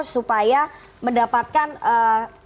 supaya mendapatkan keuntungan elektronik